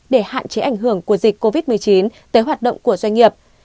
để hạn chế ảnh hưởng của dịch covid một mươi chín tới hoạt động của doanh nghiệp